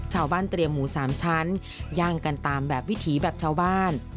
เตรียมหมู๓ชั้นย่างกันตามแบบวิถีแบบชาวบ้าน